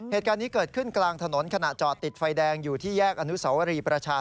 เหตุการณ์นี้เกิดขึ้นกลางถนนขณะจอดติดไฟแดงอยู่ที่แยกอนุสวรีประชา